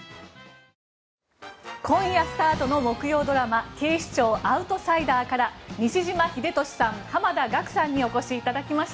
今夜スタートの木曜ドラマ「警視庁アウトサイダー」から西島秀俊さん濱田岳さんにお越しいただきました。